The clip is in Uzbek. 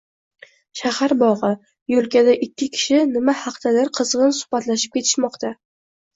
Shahar bog’i. Yo’lkada ikki kishi nima haqdadir qizg’in suhbatlashib kelishmoqda.